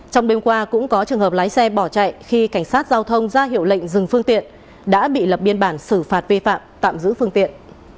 trong đêm qua cũng có trường hợp lái xe bỏ chạy khi cảnh sát giao thông ra hiệu lệnh dừng phương tiện đã bị lập biên bản xử phạt vi phạm tạm giữ phương tiện